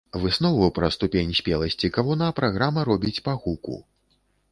Выснову пра ступень спеласці кавуна праграма робіць па гуку.